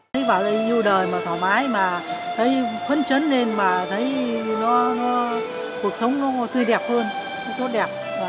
thấy vào đây yêu đời mà thoải mái mà thấy phấn chấn lên mà thấy nó cuộc sống nó tươi đẹp hơn nó tốt đẹp